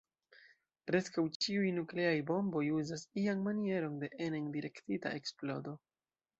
Preskaŭ ĉiuj nukleaj bomboj uzas ian manieron de enen direktita eksplodo.